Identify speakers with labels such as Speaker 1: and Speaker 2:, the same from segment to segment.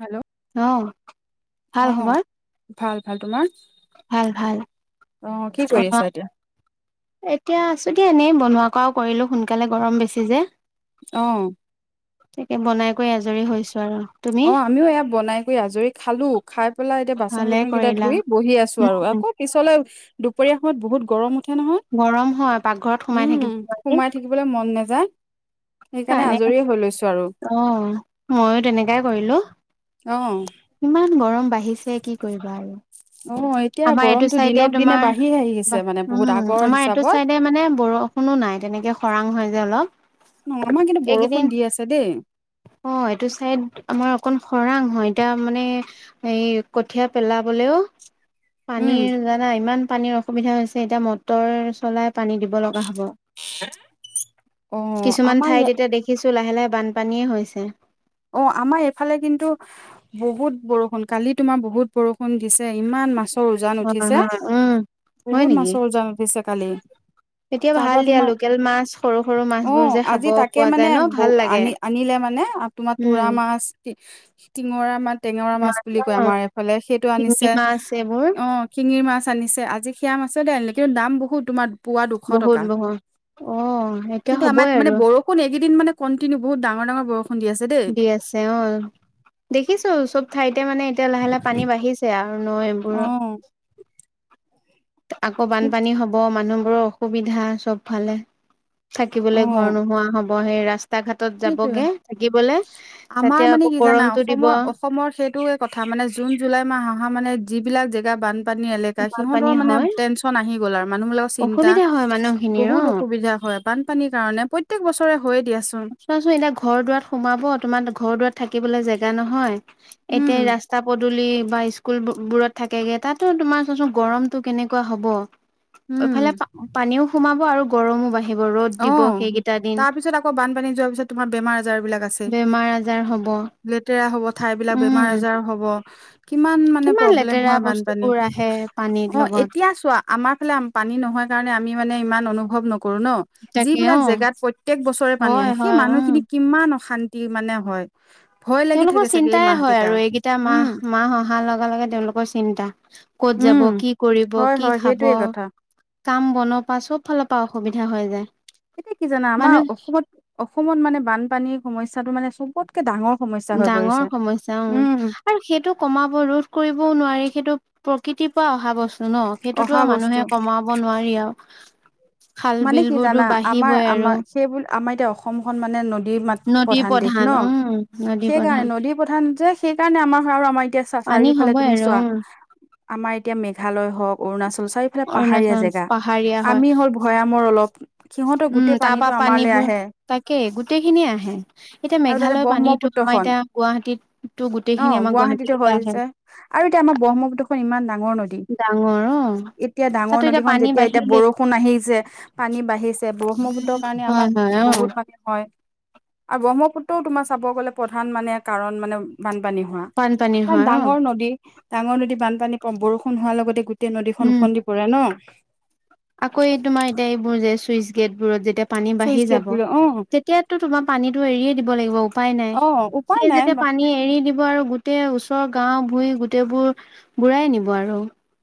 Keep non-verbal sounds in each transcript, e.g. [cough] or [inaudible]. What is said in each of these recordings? Speaker 1: Hello
Speaker 2: অ', ভাল খবৰ?
Speaker 1: অ'ভাল, ভাল। তোমাৰ?
Speaker 2: ভাল, ভাল।
Speaker 1: অ, কি কৰি
Speaker 2: বনোৱা
Speaker 1: আছা এতিয়া?
Speaker 2: এতিয়া আছোঁ দিয়া এনেই। বনোৱা কৱাওঁ কৰিলোঁ সোনকালে, গৰম বেছি যে
Speaker 1: অ'।
Speaker 2: তাকে বনাই কৰি আজৰি হৈছোঁ আৰু। তুমি?
Speaker 1: অ, আমিও এয়া বনাই কৰি আজৰি, খালোঁ। খাই পেলাই এতিয়া বাচন
Speaker 2: ভালে
Speaker 1: বৰ্তন কেইটা
Speaker 2: কৰিলা।
Speaker 1: ধুই, বহি আছোঁ আৰু
Speaker 2: উম,
Speaker 1: আকৌ পিছলৈ, দুপৰীয়া সময়ত বহুত গৰম উঠে নহয়।
Speaker 2: গৰম হয় পাকঘৰত সোমাই থাকিব নোৱাৰি।
Speaker 1: থাকিবলে মন নেযায়। সেইকাৰণে আজৰিয়ে হৈ লৈছোঁ আৰু
Speaker 2: অ'ময়ো তেনেকাই কৰিলোঁ।
Speaker 1: অ'।
Speaker 2: ইমান গৰম বাঢ়িছে কি কৰিবা আৰু?
Speaker 1: অ', এতিয়া
Speaker 2: আমাৰ এইটো
Speaker 1: গৰমটো
Speaker 2: চাইডে
Speaker 1: দিনক দিনে
Speaker 2: তোমাৰ,
Speaker 1: বাঢ়ি আহি আছে
Speaker 2: [unintelligible]
Speaker 1: মানে
Speaker 2: উম,
Speaker 1: বহুত আগৰ
Speaker 2: আমাৰ এইটো
Speaker 1: হিচাপত।
Speaker 2: চাইডে মানে মানে বৰষুণো নাই তেনেকে খৰাং হয় যে অলপ।
Speaker 1: উম, আমাৰ কিন্তু
Speaker 2: এইকেইদিন
Speaker 1: বৰষুণ দি আছে দেই।
Speaker 2: অ, এইটো চাইদ আমাৰ অকন খৰাং হয়। এতিয়া মানে, এই কঠিয়া পেলাবলেও
Speaker 1: উম,
Speaker 2: পানীৰ নাই ইমান পানীৰ অসুবিধা হৈছে, এতিয়া মটৰ চলাই পানী দিব লগা হ'ব।
Speaker 1: অ',
Speaker 2: কিছুমান
Speaker 1: আমাৰ
Speaker 2: ঠাইত
Speaker 1: ইয়া
Speaker 2: এতিয়া দেখিছো, লাহে লাহে বানপানীয়ে হৈছে।
Speaker 1: অ, আমাৰ এইফালে কিন্তু বহুত বৰষুণ, কালি তোমাৰ বহুত বৰষুণ দিছে। ইমান মাছ মাছৰ উজান
Speaker 2: হয়
Speaker 1: উঠিছে।
Speaker 2: হয় উম হয়
Speaker 1: বহুত মাছৰ উজান উঠিছে কালি।
Speaker 2: এতিয়া
Speaker 1: তাৰ
Speaker 2: ভাল
Speaker 1: পৰা
Speaker 2: দিয়া।
Speaker 1: তোমাৰ
Speaker 2: লোকেল মাছ সৰু সৰু মাছ
Speaker 1: অ
Speaker 2: বোৰ যে খাব
Speaker 1: আজি তাকে
Speaker 2: পোৱা
Speaker 1: মানে
Speaker 2: যায় ন?
Speaker 1: বৌ
Speaker 2: ভাল লাগে।
Speaker 1: আনি আনিলে মানে আ তোমাৰ
Speaker 2: উম
Speaker 1: তোৰা মাছ [unintelligible] টিঙৰা মাছ, টেঙৰা মাছ বুলি কয় আমাৰ এইফালে সেইটো আনিছে।
Speaker 2: শিঙি মাছ এইবোৰ
Speaker 1: অ। শিঙিৰ মাছ আনিছে, আজি সেয়া মাছকে আনিলে। কিন্তু, দাম বহুত তোমাৰ পোৱা দুশ
Speaker 2: বহুত
Speaker 1: টকা।
Speaker 2: বহুত। অ এতিয়া
Speaker 1: কিন্তু, আমাৰ
Speaker 2: হ'বই
Speaker 1: মানে
Speaker 2: আৰু
Speaker 1: বৰষুণ শুন এইগিদিন মানে কণ্টিনিউ বহুত ডাঙৰ, ডাঙৰ বৰষুণ দি আছে দেই।
Speaker 2: দি আছে অ, দেখিছোঁ চব ঠাইতে মানে এতিয়া লাহে লাহে পানী বাঢ়িছে। চে আৰু ন এইবোৰ
Speaker 1: অ
Speaker 2: আকৌ বানপানী হ'ব, মানুহবোৰৰ অসুবিধা চবফালে।
Speaker 1: অ
Speaker 2: থাকিবলৈ ঘৰ নোহোৱা হ'ব, সেই ৰাস্তা ঘাট তত
Speaker 1: সেইটোয়ে
Speaker 2: যাবগে থাকিবলে।
Speaker 1: আমাৰ
Speaker 2: তাতে
Speaker 1: মানে
Speaker 2: আকৌ
Speaker 1: কি জানা
Speaker 2: গৰমটো দিব।
Speaker 1: অসমৰ অসমৰ সেইটোৱে কথা মানে, জুন, জুলাই মাহ অহা মানে যিবিলাক জেগা বান পানী এলেকা,
Speaker 2: বানপানী
Speaker 1: সিহঁতৰ মানে
Speaker 2: হয়
Speaker 1: টেনচন আহি গ'ল আৰু মানুহবিলাক চিন্তা।
Speaker 2: অসুবিধা হয় মানুহখিনিৰ
Speaker 1: বহুত
Speaker 2: অ
Speaker 1: অসুবিধা হয় বানপানীৰ কাৰণে প্ৰত্যেক বছৰে হৈয়ে দিয়াচোন।
Speaker 2: চোৱাচোন এতিয়া ঘৰ দুৱাৰ সোমাব, তোমাৰ ঘৰ দুৱাৰত থাকিবলৈ জেগা নহয়। এতিয়া ৰাস্তা
Speaker 1: উম
Speaker 2: ৰাস্তা-পদূলি বা স্কুল বো বোৰত থাকেগে, তাতো তোমাৰ চোন গৰমতটো কেনেকুৱা হ'ব? এইফালে
Speaker 1: উম
Speaker 2: পানীও সোমাব আৰু গৰমো বাঢ়িব, ৰ'দ
Speaker 1: অ
Speaker 2: দিব সেইকেইটা দিন।
Speaker 1: তাৰ পিছত আকৌ বানপানী যোৱাৰ পিছত তোমাৰ বেমাৰ আজাৰ বিলাক আছে।
Speaker 2: বেমাৰ আজাৰ হ'ব
Speaker 1: লেতেৰা হব ঠাই বিলাক,
Speaker 2: উম
Speaker 1: বেমাৰ আজাৰ হ'ব। কিমান মানে
Speaker 2: কিমান
Speaker 1: প্ৰব্লেম
Speaker 2: লেতেৰা
Speaker 1: হয় বানপানী।
Speaker 2: বস্তুবোৰ আহে পানীৰ
Speaker 1: অ'
Speaker 2: লগত
Speaker 1: এতিয়া চোৱা আমাৰ ফালে আম পানী নহয় কাৰণে, আমি মানে ইমান অনুভৱ নকৰো ন?
Speaker 2: তাকে অ
Speaker 1: যিবিলাক জেগাত প্ৰত্যেক বছৰে পানী
Speaker 2: হয়
Speaker 1: আহে, সেই
Speaker 2: হয় উম
Speaker 1: মানুহখিনিক কিমান অশান্তি মানে হয়।
Speaker 2: [inaudible]
Speaker 1: ভয় লাগি
Speaker 2: তেওঁলোকৰ
Speaker 1: থাকে চাগে এই
Speaker 2: চিন্তাই
Speaker 1: মাহ
Speaker 2: হয়
Speaker 1: কেইটা
Speaker 2: আৰু এইকেইটা
Speaker 1: উম,
Speaker 2: মাহ, মাহ অহা লগা লগে তেওঁলোকৰ চিন্তা। ক'ত
Speaker 1: উম,
Speaker 2: যাব, কি কৰিব,
Speaker 1: হয়,
Speaker 2: কি
Speaker 1: হয়
Speaker 2: খাব?
Speaker 1: সেইটোয়ে কথা।
Speaker 2: কাম বনৰ পৰা চব ফালৰ পৰা অসুবিধা হৈ যায়।
Speaker 1: এতিয়া কি জানা, আমাৰ
Speaker 2: মানুহ
Speaker 1: অসমত অসমত মানে বানপানীৰ সমস্যাটো মানে চবত কে ডাঙৰ সমস্যা হৈ
Speaker 2: ডাঙৰ
Speaker 1: পৰিছে
Speaker 2: সমস্যা
Speaker 1: উম।
Speaker 2: আৰু সেইটো কমাব ৰোধ কৰিবও নোৱাৰি সেইটো প্ৰকৃতিৰ পৰা অহা বস্তু। ন সেইটোতো
Speaker 1: অহা
Speaker 2: আৰু
Speaker 1: বস্তু
Speaker 2: মানুহে কমাব নোৱাৰি আৰু। খাল
Speaker 1: মানে
Speaker 2: বিল
Speaker 1: কি জানা
Speaker 2: বোৰতো
Speaker 1: আমাৰ
Speaker 2: বাঢ়িবই আৰু।
Speaker 1: আমাৰ সেইবোৰ আমাৰ এতিয়া অসমখন মানে নদী মাত
Speaker 2: নদী
Speaker 1: প্ৰধান দেশ ন
Speaker 2: উম নদী
Speaker 1: সেইকাৰণে
Speaker 2: প্ৰধান
Speaker 1: নদী প্ৰধান যে সেইকাৰণে আমাৰ হয় আৰু আমাৰ এতিয়া
Speaker 2: পানী
Speaker 1: চাৰিওফালে
Speaker 2: হ'বই
Speaker 1: তুমি
Speaker 2: আৰু
Speaker 1: চোৱা।
Speaker 2: উম
Speaker 1: আমাৰ এতিয়া মেঘালয় হওক অৰুণাচল চাৰিওফালে পাহাৰীয়া
Speaker 2: অৰুণাচল
Speaker 1: জেগা।
Speaker 2: পাহাৰীয়া হয়
Speaker 1: আমি হ'ল ভৈয়ামৰ অলপ সিহঁতৰ
Speaker 2: উম,
Speaker 1: গোটেই
Speaker 2: তাৰ পৰা
Speaker 1: পানীটো আমাৰলে
Speaker 2: পানীবোৰ
Speaker 1: আহে।
Speaker 2: তাকে গোটেইখিনিয়ে আহে। এতিয়া
Speaker 1: আৰু তাতে
Speaker 2: মেঘালয়ৰ পানীটো আমাৰ
Speaker 1: ব্ৰহ্মপুত্ৰখন
Speaker 2: এতিয়া গুৱাহাটীতটো
Speaker 1: অ
Speaker 2: গোটেইখিনি আমাৰ
Speaker 1: গুৱাহাটীতো
Speaker 2: গুৱাহাটীলৈ আহে।
Speaker 1: হৈছে। আৰু এতিয়া আমাৰ ব্ৰহ্মপু্খন ইমান ডাঙৰ নৈ।
Speaker 2: ডাঙৰ অ',
Speaker 1: এতিয়া ডাঙৰ
Speaker 2: তাতো এতিয়া
Speaker 1: নদীখন
Speaker 2: পানী
Speaker 1: যেতিয়া এতিয়া
Speaker 2: বাঢ়িলেই
Speaker 1: বৰষুণ আহি যে পানী বাঢ়িছে ব্ৰহ্মপুত্ৰৰ কাৰণে
Speaker 2: হয়,
Speaker 1: আমাৰ
Speaker 2: হয়
Speaker 1: বহুত
Speaker 2: অ',
Speaker 1: মানে হয় আৰু ব্ৰহ্মপুত্ৰও তোমাৰ চাব গ'লে প্ৰধান মানে কাৰণ মানে বানপানী হোৱা
Speaker 2: বানপানী
Speaker 1: কাৰণ
Speaker 2: হয় অ'।
Speaker 1: ডাঙৰ নদী ডাঙৰ নদীত বানপানী প বৰষুণ হোৱাৰ লগতে গো টেই নদীখন
Speaker 2: উম,
Speaker 1: ওফন্দি পৰে ন
Speaker 2: আকৌ এই তোমাৰ এতিয়া এইবোৰ যে চুইচ গেটবোৰত যেতিয়া পানী
Speaker 1: চুইচ
Speaker 2: বাঢ়ি
Speaker 1: গেট
Speaker 2: যাব
Speaker 1: বোলে অ
Speaker 2: তেতিয়াটো তোমাৰ পানীটো এৰিয়ে দিব লাগিব উপায় নাই।
Speaker 1: অ উপায়
Speaker 2: সেই
Speaker 1: নাই
Speaker 2: যেতিয়া পানী এৰি দি ব আৰু গোটেই ওচৰৰ গাও ভুই গোটেইবোৰ বুৰাই নিব আৰু।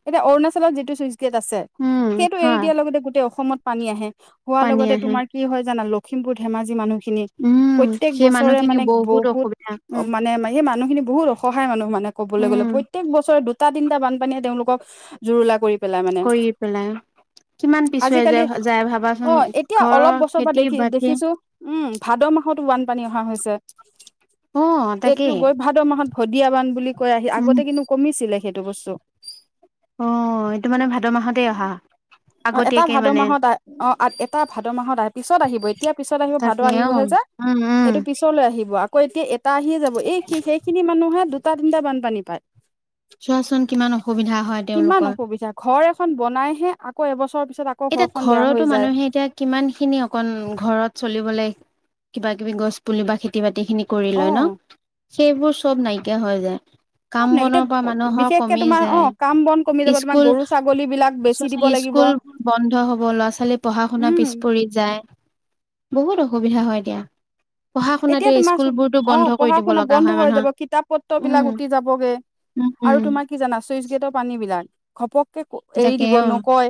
Speaker 1: এতিয়া অৰুণাচলত যিটো চুইচ গেট আছে,
Speaker 2: উম,
Speaker 1: সেইটো এৰি
Speaker 2: হয়
Speaker 1: দিয়াৰ লগতে গোটেই অসমত পানী আহে। হোৱাৰ
Speaker 2: পানী
Speaker 1: লগতে
Speaker 2: আহে।
Speaker 1: তোমাৰ কি হয় জানা লখিমপুৰ ধেমাজি মানুহ খিনি
Speaker 2: উম,
Speaker 1: প্ৰত্যেক
Speaker 2: সেই
Speaker 1: বছৰে
Speaker 2: মানুহখিনি
Speaker 1: মানে বহুত
Speaker 2: অসুবিধা উম,
Speaker 1: মানে এই মানুহখিনি বহুত অসহায় মানুহ মানে ক'বলৈ গ'লে
Speaker 2: উম,
Speaker 1: প্ৰতে ক বছৰে দুটা তিনিটা বানপানীয়ে তেওঁলোকক জুৰুলা কৰি পেলাই মানে
Speaker 2: কৰি পেলাই। কিমান পিছুৱাই
Speaker 1: আজিকালি
Speaker 2: যোৱা যায়
Speaker 1: অ
Speaker 2: ভাবাচোন
Speaker 1: এতিয়া
Speaker 2: ঘৰৰ
Speaker 1: অলপ বছৰৰ পৰা
Speaker 2: খেতি
Speaker 1: দেখি
Speaker 2: বাতি
Speaker 1: দেখিছো উম ভাদ মাহতো বানপানী অহা হৈছে।
Speaker 2: অ',
Speaker 1: এইটো
Speaker 2: তাকেই।
Speaker 1: গৈ ভাদ মাহত ভদিয়াবান বুলি কৈ আহি
Speaker 2: উম,
Speaker 1: আগতে কিন্তু কমিছিলে সেইটো বস্তু।
Speaker 2: অ', এইটো মানে ভাদ মাহতেই অহা।
Speaker 1: অ', এটা
Speaker 2: আগতীয়াকে
Speaker 1: ভাদ
Speaker 2: মানে।
Speaker 1: মাহত আহ অ এটা ভাদ মাহত আহে পিছত আহিব এতিয়া পিছত আহিব ভাদ
Speaker 2: তাকে অ',
Speaker 1: আহিবহে যে।
Speaker 2: উম উম।
Speaker 1: ওচৰলৈ আহিব আকৌ এতিয়া এটা আহিয়ে যাব। এই সেইখিনি মানুহে দুটা তিনিটা বানপানী পায়।
Speaker 2: চোৱাচোন কিমান অসুবিধা। হয়
Speaker 1: কিমান
Speaker 2: তেওঁলোকৰ।
Speaker 1: অসুবিধা ঘৰ এখন বনাইহে আকৌ এবছৰৰ পিছত আকৌ
Speaker 2: এতিয়া
Speaker 1: ঘৰখন বেয়া
Speaker 2: ঘৰতো
Speaker 1: হৈ যায়
Speaker 2: মানুহে এতিয়া কিমান খিনি অকন ঘৰত চলিবলে কিবা কিবি গছ পুলি বা খ খেতি বাতি খিনি কৰি
Speaker 1: অ
Speaker 2: লয় ন, সেইবোৰ চব নাইকিয়া হৈ যায়। কাম
Speaker 1: চব নে
Speaker 2: বনৰ
Speaker 1: এতিয়া
Speaker 2: পৰা মানুহৰ
Speaker 1: বিশেষকে
Speaker 2: কমি
Speaker 1: তোমাৰ অ
Speaker 2: যায়,
Speaker 1: কাম বন কমি যাব তোমাৰ
Speaker 2: স্কুল
Speaker 1: গৰু ছাগলী বিলাক বেচি
Speaker 2: চচ
Speaker 1: দিব লাগিব
Speaker 2: স্কুলবোৰ বন্ধ হ'ব ল'ৰা ছোৱালী পঢ়া শুনা
Speaker 1: উম
Speaker 2: পিছ পৰি যায় বহুত অসুবিধা হয় দিয়া পঢ়া
Speaker 1: এতিয়া
Speaker 2: শুনাতে
Speaker 1: তোমাৰ
Speaker 2: স্কুলবোৰতো
Speaker 1: অ
Speaker 2: বন্ধ কৰি
Speaker 1: পঢ়া
Speaker 2: দিব
Speaker 1: শুনা
Speaker 2: লগা
Speaker 1: বন্ধ
Speaker 2: হয়,
Speaker 1: হৈ
Speaker 2: মানুহৰ
Speaker 1: যাব কিতাপ পত্ৰ বিলাক
Speaker 2: উম
Speaker 1: উটি যাবগে
Speaker 2: উম,
Speaker 1: আৰু
Speaker 2: উম
Speaker 1: তোমাৰ কি জানা, চুইচ গেটৰ পানী বিলাক ঘপক কে এৰি
Speaker 2: তাকে
Speaker 1: দিব
Speaker 2: অ
Speaker 1: নকয়,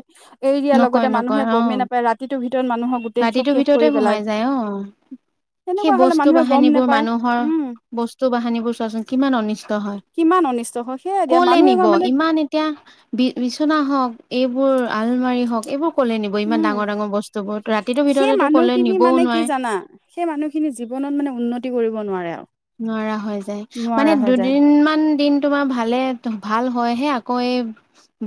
Speaker 1: এৰি দিয়াৰ লগতে
Speaker 2: নকয়
Speaker 1: মানুহে
Speaker 2: নকয় অ
Speaker 1: গমেই নাপায়, ৰাতিটোৰ ভিতৰত মানুহক
Speaker 2: ৰাতিটোৰ ভিতৰতে সোমাই যায় অ', সেই
Speaker 1: তেনেকুৱা হলে
Speaker 2: বস্তু
Speaker 1: মানুহে গম
Speaker 2: বাহিনীবোৰ
Speaker 1: নেপায়
Speaker 2: মানুহৰ
Speaker 1: উম
Speaker 2: বস্তু বাহানীবোৰ চোৱাচোন, কিমান অনিষ্ট হয়
Speaker 1: কিমান অনিষ্ট হয়, সেয়াই দিয়া
Speaker 2: কলে
Speaker 1: মানুহ এ
Speaker 2: নিব
Speaker 1: মানে
Speaker 2: ইমান এতিয়া বি বিচনা হওক, এইবোৰ আলমাৰি হওক এইবোৰ ক'লে নিব ইমান
Speaker 1: উম
Speaker 2: ডাঙৰ, ডাঙৰ বস্তু বোৰ, ৰাতিটোৰ
Speaker 1: সেই
Speaker 2: ভিতৰতে টো ক'লে
Speaker 1: মানুহখিনি
Speaker 2: নিবও
Speaker 1: মানে কি
Speaker 2: নোৱাৰে
Speaker 1: জানা সেই মানুহখিনি জীৱনত মানে, উন্নতি কৰিব নোৱাৰে আৰু
Speaker 2: নোৱাৰা হৈ যায়, মানে
Speaker 1: নোৱাৰা হৈ যায়
Speaker 2: দুদিনমান দিন তোমাৰ ভালে ভাল হয়, হে আকৌ এই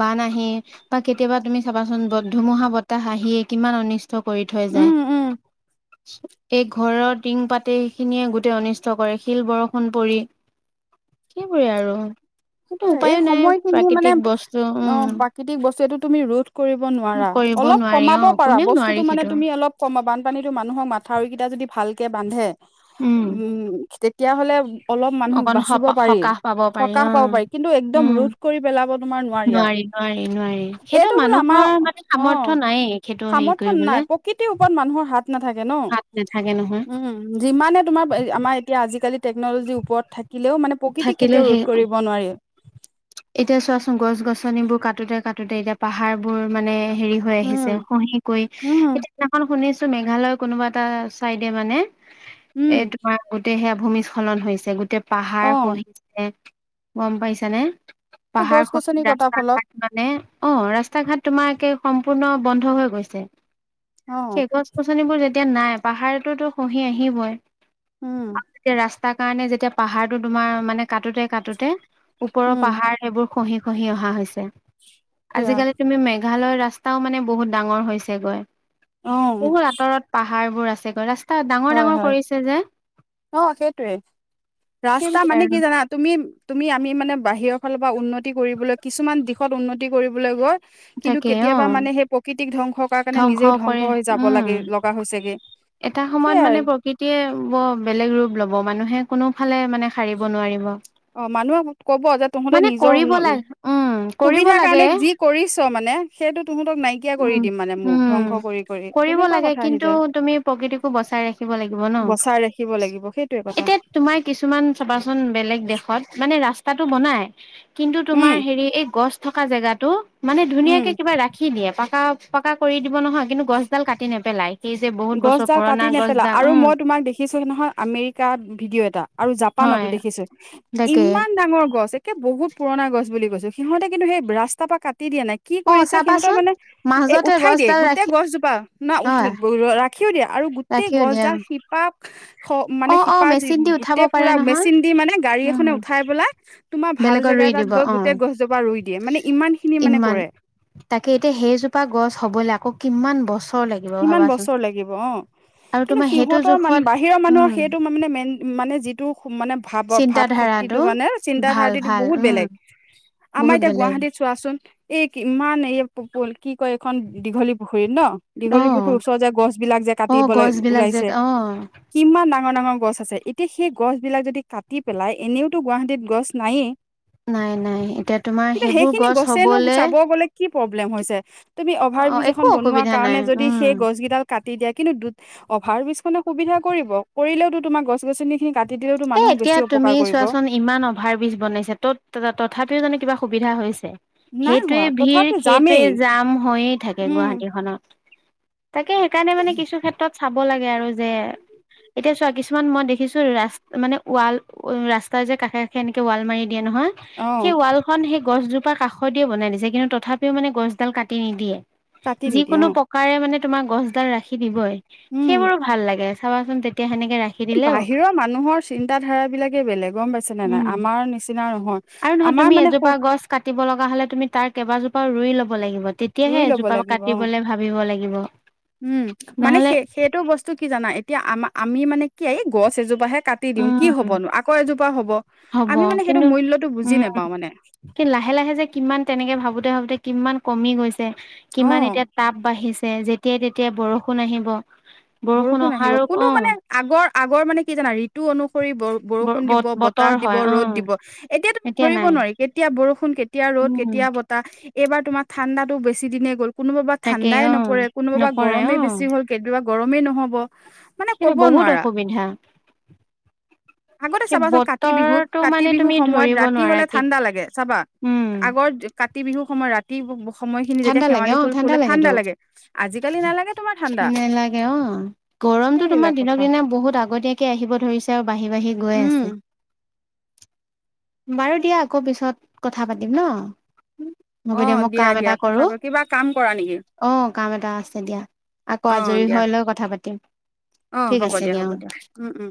Speaker 2: বান আহি, বা কেতিয়াবা তুমি চাবাচোন ধুমুহা বতাহ আহি কিমান অনিষ্ট কৰি থৈ যায়,
Speaker 1: উম উম
Speaker 2: এই ঘৰৰ টিং পাতে খিনিয়ে গোটেই অনিষ্ট নষ্ট কৰে, শিল বৰষুণ পৰি সেইবোৰে আৰু সেইটো
Speaker 1: এই
Speaker 2: উপায়ো নাই,
Speaker 1: সময়খিনি মানে
Speaker 2: প্ৰাকৃতিক বস্তু
Speaker 1: অ
Speaker 2: উম
Speaker 1: প্ৰাকৃতিক বস্তুটো তুমি ৰোধ কৰিব নোৱাৰা,
Speaker 2: কৰিব
Speaker 1: অলপ
Speaker 2: নোৱাৰি অ
Speaker 1: কমাব পাৰা
Speaker 2: কোনেও নোৱাৰি
Speaker 1: বস্তুতটো মানে
Speaker 2: সেইটো
Speaker 1: তুমি অলপ বানপানীতো মানুহক মাথাউৰিকেইটা যদি ভালকে বান্ধে উম তেতিয়া হলে অলপ মানুহ
Speaker 2: অকন
Speaker 1: বাচিব
Speaker 2: সপা
Speaker 1: পাৰি,
Speaker 2: সকাহ পাব পাৰি
Speaker 1: সকাহ
Speaker 2: অ
Speaker 1: পাব পাৰি কিন্তু একদম
Speaker 2: উম
Speaker 1: ৰোধ কৰি পেলাব তোমাৰ নোৱাৰি, আৰু
Speaker 2: নোৱাৰি নোৱাৰি সেইটো
Speaker 1: এইটো বোল আমাৰ
Speaker 2: মানুহৰ মানে সামৰ্থ
Speaker 1: অ'
Speaker 2: নায়েই সেইটো হেৰি
Speaker 1: সামৰ্থ্য
Speaker 2: কৰিবলে
Speaker 1: নাই, প্ৰকৃতিৰ ওপৰত মানুহৰ হাত নাথাকে ন
Speaker 2: হাত নাথাকে নহয়
Speaker 1: উম উম, যিমানে তোমাৰ আমাৰ এতিয়া, আজিকালি টেকন'লজিৰ ওপৰত থাকে থাকিলেও মানে প্ৰকৃতিক
Speaker 2: থাকিলেও
Speaker 1: কেতিয়াও ৰোধ
Speaker 2: সেই
Speaker 1: কৰিব নোৱাৰি
Speaker 2: এতিয়া, চোৱাচোন গছ গছনিবোৰ কাটোতে কাটোতে এতিয়া পাহাৰ বোৰ মানে হেৰি হৈ
Speaker 1: উম,
Speaker 2: আহিছে, খঁহি গৈ
Speaker 1: উম,
Speaker 2: এতিয়া সিদিনাখন শুনিছো, মেঘালয়ৰ কোনোবা এটা চাইডে মানে
Speaker 1: উম,
Speaker 2: এই গোটেই সেয়া ভূমিস্খলন হৈছে গোটেই পাহাৰ
Speaker 1: অ',
Speaker 2: গম পাইছানে,
Speaker 1: এই
Speaker 2: পাহাৰ
Speaker 1: গছ গছনি কটাৰ
Speaker 2: ৰাস্তা
Speaker 1: ফলত
Speaker 2: ঘাটমান নে অ' ৰাস্তা ঘাট তোমাৰে সম্পূৰ্ণ বন্ধ হৈ গৈছে
Speaker 1: অ',
Speaker 2: সেই গছ গছনিবোৰ যেতিয়া নাই, পাহাৰতোতো খহি আহিবই
Speaker 1: উম,
Speaker 2: ৰাস্তা তাৰ কাৰণে যেতিয়া, পাহাৰটো তোমাৰ মানে কাটোতে কাটোতে ওপৰৰ
Speaker 1: উম,
Speaker 2: পাহাৰ সেইবোৰ খহি খহি অহা হৈছে,
Speaker 1: সেয়া
Speaker 2: আজিকালি তুমি মেগ মেঘালয় ৰাস্তাও মানে, বহুত ডাঙৰ হৈছে গৈ
Speaker 1: অ',
Speaker 2: বহুত আঁতৰত পাহাৰ বোৰ আছেগৈ, ৰাস্তা ডাঙৰ
Speaker 1: হয়,
Speaker 2: ডাঙৰ
Speaker 1: হয়,
Speaker 2: কৰিছে যে
Speaker 1: অ' সেইটোৱে ৰাস্তা
Speaker 2: সেইবোৰে
Speaker 1: মানে
Speaker 2: আৰু
Speaker 1: কি জানা তুমি তুমি আমি মানে, বাহিৰৰ ফালৰ পৰা উন্নতি কৰিবলৈ কিছুমান দিশত উন্নতি কৰিবলৈ গৈ কিন্তু
Speaker 2: তাকে অ
Speaker 1: কেতিয়াবা মানে, সেই প্ৰকৃতিক ধ্বংস কাৰ কাৰণে নিজেও
Speaker 2: কৰে
Speaker 1: ধ্বংস হৈ যাব
Speaker 2: উম
Speaker 1: লাগে লগা হৈছেগে
Speaker 2: এটা সময়ত
Speaker 1: সেইয়াই
Speaker 2: মানে, প্ৰকৃতিয়ে ব বেলেগ ৰূপ ল'ব মানুহে কোনোফালে মানে সাৰিব নোৱাৰিব।
Speaker 1: অ', মানুহ ক'ব যে তহঁতে
Speaker 2: মানে
Speaker 1: নিজৰ
Speaker 2: কৰিব
Speaker 1: উন্ন
Speaker 2: লাগে উম কৰিব
Speaker 1: সুবিধাৰ
Speaker 2: লাগে
Speaker 1: কাৰণে যি কৰিছ মানে সেইটো তহঁতক নাইকিয়া কৰি
Speaker 2: উম
Speaker 1: দিম মানে, মোক
Speaker 2: উম
Speaker 1: ধ্বংস কৰি কৰি
Speaker 2: কৰিব
Speaker 1: সেনেকুৱা
Speaker 2: লাগে
Speaker 1: কথা আহি
Speaker 2: কিন্তু
Speaker 1: যায়।
Speaker 2: তুমি প্ৰকৃতিকো বচাই ৰাখিব লাগিব ন
Speaker 1: বচাই ৰাখিব লাগিব সেইটোয়ে কথা
Speaker 2: এতিয়া তোমাৰ কিছুমান চাবাচোন বেলেগ দেশত মানে ৰাস্তাটো বনাই কিন্তু
Speaker 1: উম
Speaker 2: তুমাৰ হেৰি, এই গছ থকা জেগা টো মানে
Speaker 1: উম
Speaker 2: ধুনীয়াকে কিবা ৰাখি দিয়ে, পকা পকা কৰি দিব নহয় কিন্তু গছডাল কাটি নেপেলাই। সেই যে বহুত বছৰ
Speaker 1: গছডাল কাটি
Speaker 2: পুৰণা
Speaker 1: নেপেলাই
Speaker 2: গছডাল
Speaker 1: আৰু
Speaker 2: উম
Speaker 1: মই তোমাক দেখিছো নহয়, আমেৰিকা ভিডিঅ' এটা আৰু জাপানতো
Speaker 2: হয়
Speaker 1: দেখিছো
Speaker 2: তাকে
Speaker 1: ইমান ডাঙৰ গছ বহুত পুৰণা গছ বুলি কৈছে। সিহঁতে কিন্তু ৰাস্তাৰপৰা কাটি দিয়া নাই। কি
Speaker 2: অ
Speaker 1: কৰিছে সিহঁতৰ
Speaker 2: চাবাচোন
Speaker 1: মানে এ,
Speaker 2: মাজতে
Speaker 1: উঠাই দিয়ে
Speaker 2: গছডাল
Speaker 1: গোটেই
Speaker 2: ৰাখি
Speaker 1: গছজোপা, না
Speaker 2: হয়
Speaker 1: ৰাখিও দিয়ে আৰু গোটেই
Speaker 2: ৰাখিও দিয়া
Speaker 1: গছডাল শিপা
Speaker 2: অ
Speaker 1: মানে
Speaker 2: অ
Speaker 1: শিপা
Speaker 2: মেচিন দি উঠাব
Speaker 1: গোটেই
Speaker 2: পাৰে
Speaker 1: পুৰা
Speaker 2: নহয়
Speaker 1: মেচিন দি মানে গাড়ী
Speaker 2: উম
Speaker 1: এখনে উঠাই পেলাই তোমাৰ ভাল
Speaker 2: বেলেগত
Speaker 1: জেগা
Speaker 2: ৰুই
Speaker 1: এটাত
Speaker 2: দিব
Speaker 1: গৈ
Speaker 2: অ
Speaker 1: গোটেই গছজোপা ৰুই দিয়ে, মানে ইমানখিনি মানে
Speaker 2: ইমান
Speaker 1: কৰে।
Speaker 2: তাকে এতিয়া সেইজোপা গছ হ'বলৈ আকৌ কিমান বছৰ লাগিব
Speaker 1: কিমান
Speaker 2: ভাবাচোন
Speaker 1: বছৰ লাগিব অ'।
Speaker 2: আৰু
Speaker 1: কিন্তু
Speaker 2: তোমাৰ সেইটো
Speaker 1: সিহঁতৰ মান
Speaker 2: জোখত
Speaker 1: বাহিৰৰ মানুহৰ
Speaker 2: উম
Speaker 1: সেইটো মানে মেইন মানে যিটো মানে ভাৱৰ ভাৱ শক্তিটো
Speaker 2: চিন্তাধাৰাটো
Speaker 1: মানে
Speaker 2: ভাল
Speaker 1: চিন্তাধাৰটো
Speaker 2: ভাল
Speaker 1: বহুত
Speaker 2: উম
Speaker 1: বেলেগ। আমাৰ
Speaker 2: বহুত
Speaker 1: এতিয়া
Speaker 2: বেলেগ
Speaker 1: গুৱাহাটীত চোৱাচোন এই ইমান এই কি কয় এইখন, দীঘলী পুখুৰীত ন
Speaker 2: অ
Speaker 1: দীঘলী পুখুৰীৰ ওচৰত যে গছবিলাক যে
Speaker 2: অ
Speaker 1: কাটিব
Speaker 2: গছ বিলাক যে
Speaker 1: ওলাইছে
Speaker 2: অ
Speaker 1: কিমান ডাঙৰ ডাঙৰ গছ আছে, এতিয়া সেই গছবিলাক যদি কাটি পেলাই, এনেওতো গুৱাহাটীত গছ নায়েই।
Speaker 2: নাই নাই। এতিয়া তোমাৰ
Speaker 1: কিন্তু
Speaker 2: সেইবোৰ
Speaker 1: সেইখিনি
Speaker 2: গছ
Speaker 1: গছেনো
Speaker 2: হ'বলে
Speaker 1: চাব গ'লে কি প্ৰব্লেম হৈছে, তুমি অভাৰ
Speaker 2: অ
Speaker 1: ব্ৰীজ
Speaker 2: একো
Speaker 1: এখন বনোৱা
Speaker 2: অসুবিধা নাই
Speaker 1: কাৰণে যদি
Speaker 2: উম
Speaker 1: সেই গছ কেইডাল কাটি দিয়া কিন্তু দু অভাৰ ব্ৰিজখনে সুবিধা কৰিব, কৰিলেওতো তোমাৰ গছ গছনিখিনি কাট তেতিয়াওতো
Speaker 2: এ
Speaker 1: মানুহক
Speaker 2: এতিয়া
Speaker 1: বেছি
Speaker 2: তুমি
Speaker 1: অপকাৰ কৰিব।
Speaker 2: চোৱাচোন ইমান অভাৰ ব্ৰিজ বনাইছে ত'ত তথাপিও জানো কিবা সুবিধা হৈছে?
Speaker 1: নাই
Speaker 2: সেইটোৱে
Speaker 1: হোৱা
Speaker 2: ভিৰ,
Speaker 1: তথাপি
Speaker 2: সেইটোৱে
Speaker 1: যামেই
Speaker 2: জাম হৈয়ে থাকে
Speaker 1: উম
Speaker 2: গুৱাহাটীখনত। তাকে সেইকাৰণে মানে কিছু ক্ষেত্ৰত চাব লাগে আৰু যে, এতিয়া চোৱা কিছুমান মই দেখিছো ৰাছ মানে ৱাল ৰাস্তাৰ যে কাষে কাষে এনেকে ৱাল মাৰি দিয়ে নহয়,
Speaker 1: অ
Speaker 2: সেই ৱাল খন সেই গছজোপা কাষৰ দিয়ে বনাই দিছে কিন্তু তথাপিও মানে গছডাল কাটি নিদিয়ে।
Speaker 1: কাটি নিদিয়ে
Speaker 2: যিকোনো
Speaker 1: অ
Speaker 2: প্ৰকাৰে মানে তোমাৰ গছডাল ৰাখি দিবই,
Speaker 1: উম
Speaker 2: সেইবোৰো ভাল লাগে। চাবাচোন তেতিয়া সেনেকে ৰাখি দিলেও
Speaker 1: বাহিৰৰ মানুহৰ চিন্তা ধাৰাবিলাকে বেলেগ গম পাইছা? নিচিনা নাই।
Speaker 2: উম
Speaker 1: আমাৰ নিচিনা নহয়,
Speaker 2: আৰু
Speaker 1: আমাৰ
Speaker 2: তুমি
Speaker 1: মানে
Speaker 2: এজোপা
Speaker 1: সৰু
Speaker 2: গছ কাটিব লগা হ'লে তুমি তাৰ কেইবাজোপা ৰুই ল'ব লাগিব, তেত তেতিয়াহে
Speaker 1: ৰুই ল'ব
Speaker 2: এজোপা
Speaker 1: লাগিব অ
Speaker 2: কাটিবলে ভাবিব লাগিব,
Speaker 1: উম মানে
Speaker 2: নহ'লে
Speaker 1: সেই সেইটো বস্তু কি জানা, এতিয়া আম-আমি মানে কি এই গছ এজোপাহে কাট দিওঁ কি
Speaker 2: উম
Speaker 1: হ'বনো, আকৌ এজোপা হ'ব।
Speaker 2: হ'ব
Speaker 1: আমি মানে সেইটো
Speaker 2: কিন্তু
Speaker 1: মূল্যটো বুজি
Speaker 2: উম
Speaker 1: নেপাওঁ মানে।
Speaker 2: কি লাহে লাহে যে কিমান তেনেকে ভাবোঁতে ভাবোঁতে কিমান কমি গৈছে, কিমান
Speaker 1: অ
Speaker 2: এতিয়া তাপ বাঢ়িছে। ছে যেতিয়াই তেতিয়া বৰষুণ আহিব, বৰষুণ
Speaker 1: আহিব
Speaker 2: অহাৰো,
Speaker 1: কোনো মানে
Speaker 2: অ'।
Speaker 1: আগৰ আগৰ মানে কি জানা ঋতু অনুসৰি বৰ
Speaker 2: ব
Speaker 1: বৰষুণ দিব,
Speaker 2: বত
Speaker 1: বতাহ
Speaker 2: বতৰ
Speaker 1: দিব,
Speaker 2: হয় অ
Speaker 1: ৰ'দ দিব, এতিয়া তুমি ধৰিব নোৱাৰি। কেতিয়া বৰষুণ, কেতিয়া ৰ'দ,
Speaker 2: উম
Speaker 1: কেতিয়া বতাহ, এইবাৰ তোমাৰ ঠাণ্ডাটো বেছি দিনে গ'ল। কোনোবাবা
Speaker 2: তাকে
Speaker 1: ঠাণ্ডাই
Speaker 2: অ
Speaker 1: নপৰে, কোনোবাবা
Speaker 2: নপৰে অ
Speaker 1: গৰমেই বেছি হ'ল, কেতিয়াবা গৰমেই নহ'ব। মানে
Speaker 2: সেইটো
Speaker 1: ক'ব
Speaker 2: বহুত
Speaker 1: নোৱাৰা
Speaker 2: অসুবিধা।
Speaker 1: আগতে
Speaker 2: সেই
Speaker 1: চাবাচোন কাতি বিহুত
Speaker 2: বতৰটো
Speaker 1: কাতি
Speaker 2: মানে
Speaker 1: বিহুৰ
Speaker 2: তুমি
Speaker 1: সময়ত
Speaker 2: ধৰিব
Speaker 1: ৰাতি
Speaker 2: নোৱাৰা
Speaker 1: হ'লে
Speaker 2: কি
Speaker 1: ঠাণ্ডা লাগে চাবা।
Speaker 2: উম
Speaker 1: আগৰ কাতি বিহু সময় ৰাতি সময়খিনি যেতিয়া
Speaker 2: ঠাণ্ডা লাগে
Speaker 1: শেৱালি
Speaker 2: অ
Speaker 1: ফুল ফুলে ঠাণ্ডা
Speaker 2: লাগেতো
Speaker 1: লাগে, আজিকালি নালাগে তোমাৰ ঠাণ্ডা।
Speaker 2: নালাগে অ'। গৰমটো
Speaker 1: সেইবিলাক
Speaker 2: তোমাৰ দিনক
Speaker 1: কথা
Speaker 2: দিনা বহুত আগতীয়াকে আহিব ধৰিছে আৰু বাঢ়ি বাঢ়ি গৈ
Speaker 1: উম
Speaker 2: আছে। বাৰু দিয়া আকৌ পিছত কথা পাতিম ন'।
Speaker 1: অ
Speaker 2: হ'ব দিয়া মই কাম এটা
Speaker 1: দিয়া কথা
Speaker 2: কৰো।
Speaker 1: পা কিবা কাম কৰা নেকি
Speaker 2: অ' কাম এটা আছে দিয়া।
Speaker 1: অ
Speaker 2: আকৌ আজৰি
Speaker 1: দিয়া
Speaker 2: হৈ লৈ কথা পাতিম।
Speaker 1: অ
Speaker 2: ঠিক
Speaker 1: হ'ব
Speaker 2: আছে দিয়া
Speaker 1: হ'ব
Speaker 2: অ'।
Speaker 1: উম, উম।